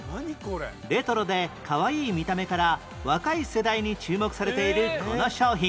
レトロでかわいい見た目から若い世代に注目されているこの商品